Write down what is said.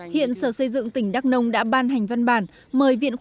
hiện sở xây dựng tỉnh đắc nông đã ban hành văn bản